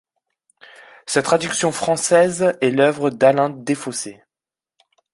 Sa traduction française est l’œuvre d'Alain Défossé.